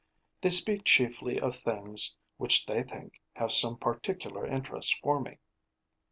They speak chiefly of things which they think have some particular interest for me.